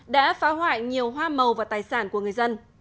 đã phá hoại nhiều hoa màu và tài sản của người dân